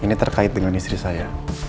ini terkait dengan istri saya